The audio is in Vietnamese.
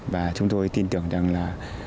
và chúng tôi tin tưởng rằng là